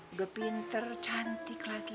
udah pinter cantik lagi